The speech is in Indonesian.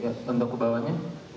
ya untuk kebawahannya